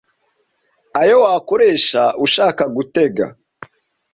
ayo wakoresha ushaka gutega.